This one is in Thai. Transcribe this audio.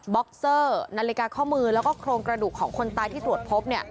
็อกเซอร์นาฬิกาข้อมือแล้วก็โครงกระดูกของคนตายที่ตรวจพบ